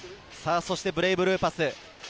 そしてブレイブルーパス。